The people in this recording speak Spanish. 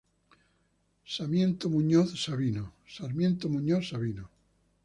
Sarmiento Muñoz Sabino.